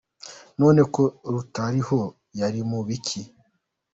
None ko rutariho yari mu biki ?